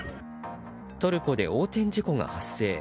トルコで横転事故が発生。